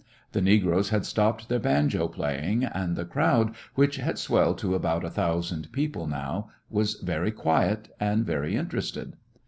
The negroes had stopped their banjo playing, and the crowd, which had swelled to about a thousand people now, was very quiet and very interested.